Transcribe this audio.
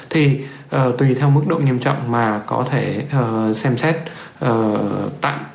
thì tùy theo mức độ nghiêm trọng mà có thể xem xét tặng